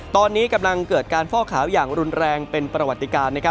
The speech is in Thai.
ตอนนี้กำลังเกิดการฟ่อขาวอย่างรุนแรงเป็นประวัติการ